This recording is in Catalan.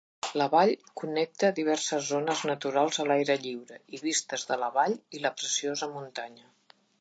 La vall connecta diverses zones naturals a l'aire lliure i vistes de la vall i la preciosa muntanya.